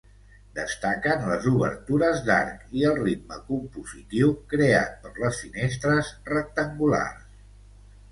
Destaquen les obertures d'arc i el ritme compositiu creat per les finestres rectangulars.